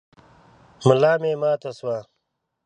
ملا مي ماته شوه .